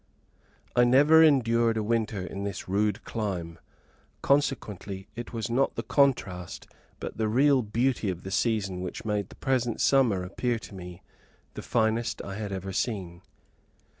I never endured a winter in this rude clime, consequently it was not the contrast, but the real beauty of the season which made the present summer appear to me the finest I had ever seen.